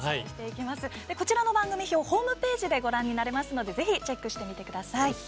こちらの番組表はホームページでご覧になれますのでぜひチェックしてみてください。